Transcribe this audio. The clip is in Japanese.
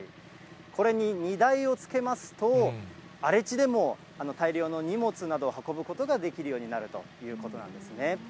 これに荷台をつけますと、荒れ地でも、大量の荷物などを運ぶことができるようになるということなんですね。